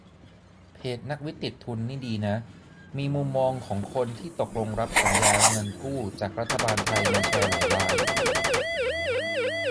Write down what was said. เพจ "นักวิทย์ติดทุน" นี่ดีนะ มีมุมมองของคนที่ตกลงรับสัญญาเงินกู้จากรัฐบาลไทยมาแชร์หลายราย